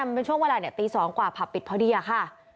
เป็นช่วงเวลาตี๒กว่าผับปิดพอดีอะค่ะ